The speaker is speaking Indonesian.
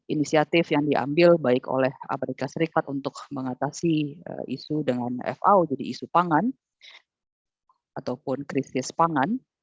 inisiatif yang diambil baik oleh amerika serikat untuk mengatasi isu dengan fao jadi isu pangan ataupun krisis pangan